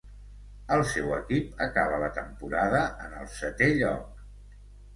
El seu equip acaba la temporada en el setè lloc.